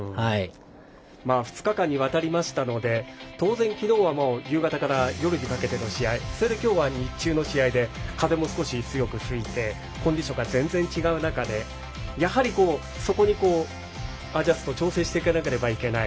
２日間にわたりましたので当然、昨日は夕方から夜にかけての試合そして今日は日中の試合で風も少し強く吹いてコンディションが全然違う中でやはりそこにアジャスト調整していかなければならない。